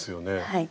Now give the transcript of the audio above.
はい。